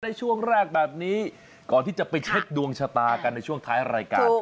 ในช่วงแรกแบบนี้ก่อนที่จะไปเช็คดวงชะตากันในช่วงท้ายรายการ